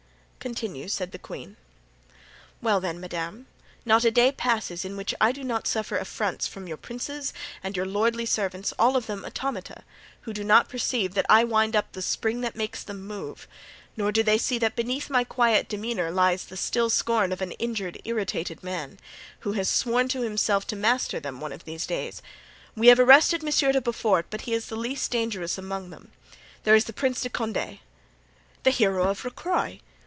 "Continue," said the queen. "Well, then, madame, not a day passes in which I do not suffer affronts from your princes and your lordly servants, all of them automata who do not perceive that I wind up the spring that makes them move, nor do they see that beneath my quiet demeanor lies the still scorn of an injured, irritated man, who has sworn to himself to master them one of these days. We have arrested Monsieur de Beaufort, but he is the least dangerous among them. There is the Prince de Condé——" "The hero of Rocroy.